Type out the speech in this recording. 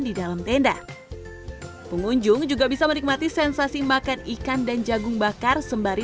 di dalam tenda pengunjung juga bisa menikmati sensasi makan ikan dan jagung bakar sembari